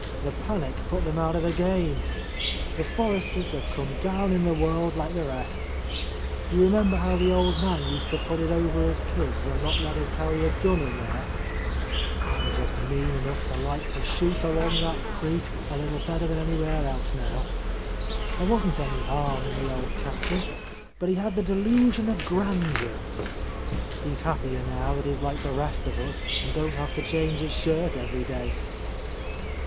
The panic put them out of the game. The Forresters have come down in the world like — 104 — A Lost Lady the rest. You remember how the o|d man used to put it over os kids and not let us carry a gun in there ? I'm just mean enough to like to shoot along that creek a little better than anywhere else, now. There wasn't any harm in the old Captain, but he had the delusion of grandeur. He's hap pier now that he's like the rest of us and don't have to change his shirt every day."